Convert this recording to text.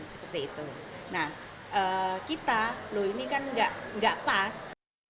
seperti itu nah kita loh ini kan nggak pas